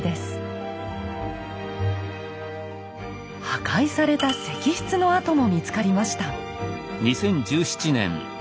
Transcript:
破壊された石室の跡も見つかりました。